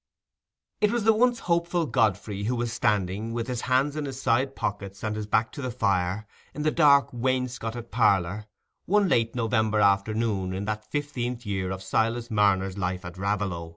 It was the once hopeful Godfrey who was standing, with his hands in his side pockets and his back to the fire, in the dark wainscoted parlour, one late November afternoon in that fifteenth year of Silas Marner's life at Raveloe.